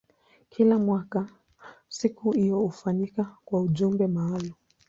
Kila mwaka siku hiyo hufanyika kwa ujumbe maalumu.